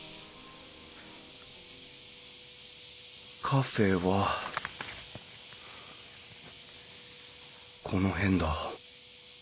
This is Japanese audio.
カフェはこの辺だ。